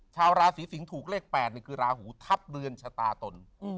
ชาวราศีสิงศ์ถูกเลข๘คือราหูทับเรือนชะตาตน